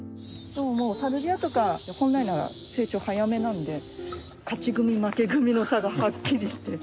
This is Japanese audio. サルビアとか本来なら成長早めなので勝ち組負け組の差がはっきりしてる。